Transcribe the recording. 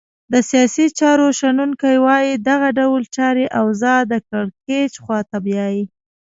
د سیاسي چارو شنونکي وایې دغه ډول چاري اوضاع د کرکېچ خواته بیایې.